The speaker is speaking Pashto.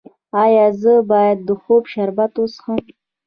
ایا زه باید د خوب شربت وڅښم؟